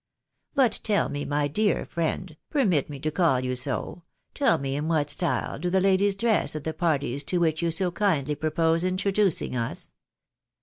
But tell me, my dear friend, permit me to caU you so, tell me in what style do the ladies dress at the parties to which you so kindly propose introducing us